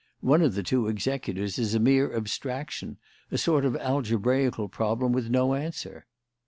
One of the two executors is a mere abstraction a sort of algebraical problem with no answer."